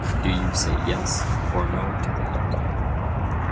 Do you say "Yes" or "No" to that?